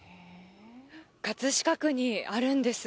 葛飾区にあるんです。